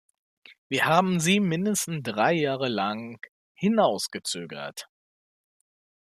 Wir haben sie mindestens drei Jahre lang hinausgezögert.